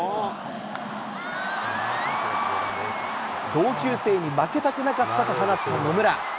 同級生に負けたくなかったと話した野村。